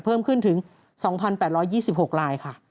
เพิ่มขึ้นถึง๒๘๒๖ลายค่ะ